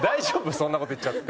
そんな事言っちゃって。